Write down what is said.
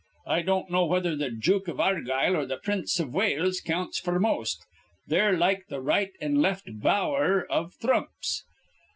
I don't know whether th' Jook iv Argyle or th' Prince iv Wales counts f'r most. They're like th' right an' left bower iv thrumps.